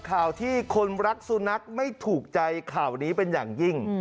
ข่าวที่คนรักสุนัขไม่ถูกใจข่าวนี้เป็นอย่างยิ่ง